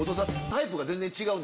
タイプが全然違う。